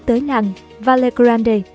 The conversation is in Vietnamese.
tới nàng valer grande